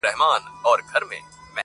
كه غمازان كه رقيبان وي خو چي ته يـې پكې.